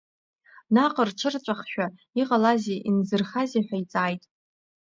Наҟ рҽыҵәахшәа, иҟалазеи, инзырхазеи ҳәа иҵааит.